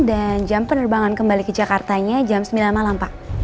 dan jam penerbangan kembali ke jakartanya jam sembilan malam pa